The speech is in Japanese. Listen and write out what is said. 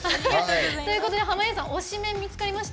ということで濱家さん推しメン、見つかりました？